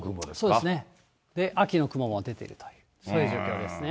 そうですね、秋の雲も出ているという、そういう状況ですね。